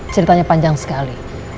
ceritanya panjang sekali